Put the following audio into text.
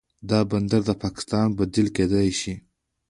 دا بندر د پاکستان بدیل کیدی شي.